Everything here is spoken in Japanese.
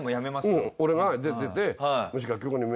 うん俺が出てて。